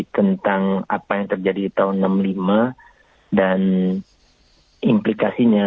tentang apa yang terjadi di tahun enam puluh lima dan implikasinya